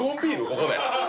ここで？